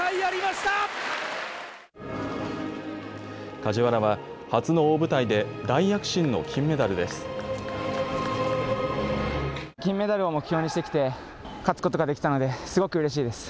梶原は初の大舞台で大躍進の金メダルです。